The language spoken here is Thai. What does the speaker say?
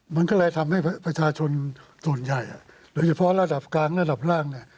มันก็เลยทำให้ประชาชนส่วนใหญ่โดยเฉพาะระดับกลางระดับล่างเนี่ย